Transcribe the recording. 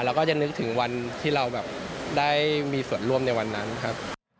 เราก็จะนึกถึงวันที่เราแบบได้มีส่วนร่วมในวันนั้นครับ